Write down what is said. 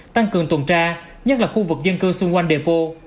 tăng cường tuần tra nhất là khu vực dân cư xung quanh depo